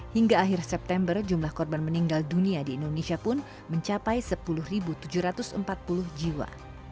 hingga akhir september jumlah korban meninggal dunia di indonesia pun mencapai sepuluh tujuh ratus empat puluh jiwa